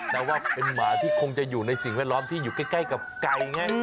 แต่ว่าเป็นหมาที่คงจะอยู่ในสิ่งแวดล้อมที่อยู่ใกล้กับไก่ไง